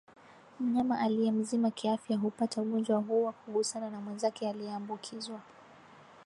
Mnyama aliye mzima kiafya hupata ugonjwa huu kwa kugusana na mwenzake aliyeambukizwa